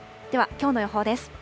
ではきょうの予報です。